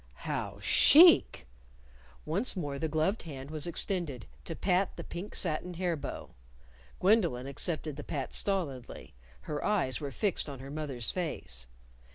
"How chic!" Once more the gloved hand was extended to pat the pink satin hair bow. Gwendolyn accepted the pat stolidly. Her eyes were fixed on her mother's face.